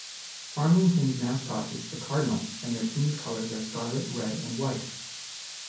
Farmington's mascot is the cardinal and their team colors are scarlet red and white.